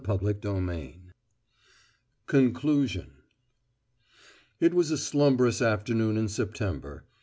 CHAPTER XVII CONCLUSION It was a slumbrous afternoon in September.